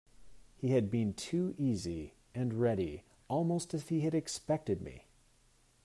He had been too easy and ready, almost as if he had expected me.